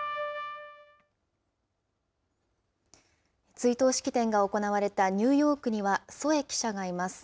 追悼式典が行われたニューヨークには、添記者がいます。